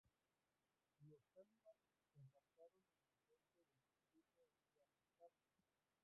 Los talibán se apartaron en el centro del distrito un día más tarde.